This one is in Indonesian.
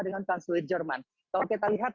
dengan transluit jerman kalau kita lihat